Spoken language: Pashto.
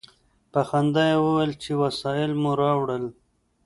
په خندا یې وویل چې وسایل مو راوړل.